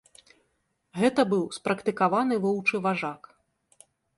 Гэта быў спрактыкаваны воўчы важак.